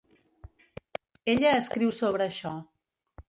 Ella escriu sobre això.